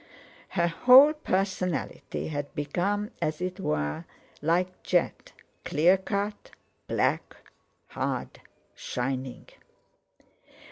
Her whole personality had become, as it were, like jet—clear cut, black, hard, shining.